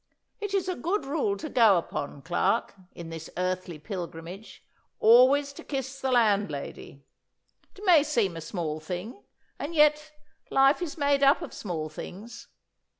It is a good rule to go upon, Clarke, in this earthly pilgrimage, always to kiss the landlady. It may seem a small thing, and yet life is made up of small things.